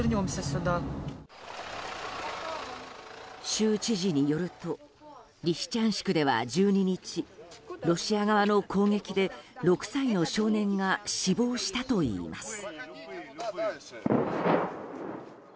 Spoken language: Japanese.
州知事によるとリシチャンシクでは１２日ロシア側の攻撃で６歳の少年が死亡したといいます。